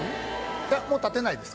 もう立てないです